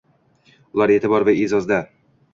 Ular e’tibor va e’zozda